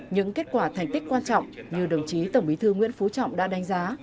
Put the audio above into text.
những kết quả thành tích quan trọng như đồng chí tổng bí thư nguyễn phú trọng đã đánh giá